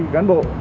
bốn mươi cán bộ